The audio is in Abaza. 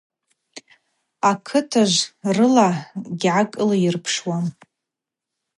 Акытыжв рыла гьгӏакӏылйырпшуам.